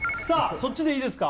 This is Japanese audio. そっちでいいですか？